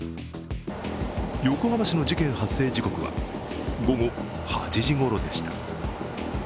横浜市の事件発生時刻は午後８時ごろでした。